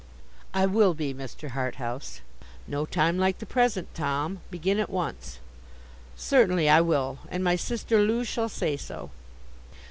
'I will be, Mr. Harthouse.' 'No time like the present, Tom. Begin at once.' 'Certainly I will. And my sister Loo shall say so.